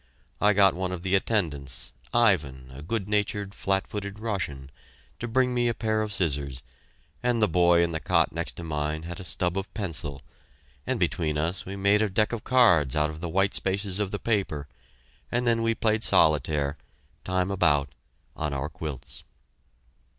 I got one of the attendants, Ivan, a good natured, flat footed Russian, to bring me a pair of scissors, and the boy in the cot next to mine had a stub of pencil, and between us we made a deck of cards out of the white spaces of the paper, and then we played solitaire, time about, on our quilts.